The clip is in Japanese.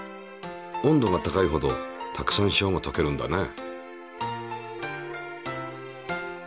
温度が高いほどたくさん塩がとけるんだね。